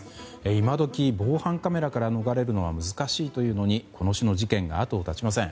今時、防犯カメラから逃れるのは難しいというのにこの種の事件が後を絶ちません。